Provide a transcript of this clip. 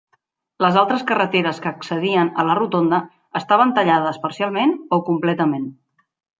Les altres carreteres que accedien a la rotonda estaven tallades parcialment o completament.